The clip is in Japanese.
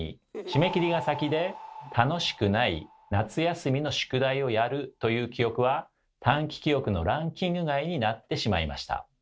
締め切りが先で楽しくない「夏休みの宿題をやる」という記憶は短期記憶のランキング外になってしまいました。